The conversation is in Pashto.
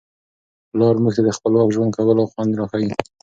پلار موږ ته د خپلواک ژوند کولو خوند را ښيي.